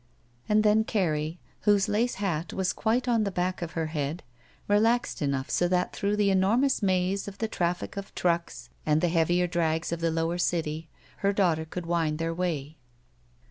And then Carrie, whose lace hat was quite on the back of her head, relaxed enough so that through the enormous maze of the traffic of trucks and the S3 SHE WALKS IN BEAUTY heavier drags of the lower city^ her daughter could wind their way.